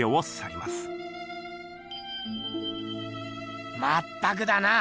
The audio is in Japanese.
まったくだな。